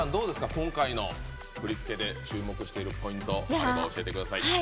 今回の振り付けで注目しているポイント教えてください。